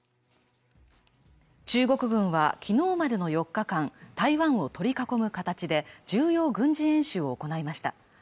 中国軍はきのうまでの４日間台湾を取り囲む形で重要軍事演習を行いました